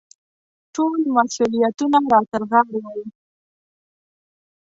ټول مسوولیتونه را ترغاړې وو.